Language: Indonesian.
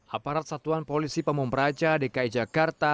aparat satuan polisi pemumperaca dki jakarta